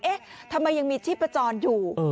เอ๊ะทำไมยังมีชีพจรอยู่